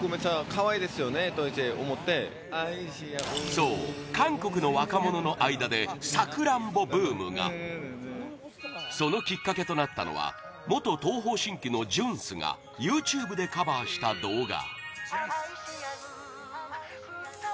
そう、韓国の若者の間で「さくらんぼ」ブームがそのきっかけとなったのは元東方神起のジュンスがＹｏｕＴｕｂｅでカバーした動画